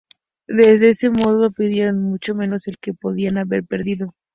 De este modo perdieron mucho menos del que podían haber perdido.